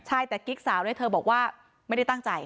ใช่แต่กิ๊กสาวเนี่ยเธอบอกว่าไม่ได้ตั้งใจ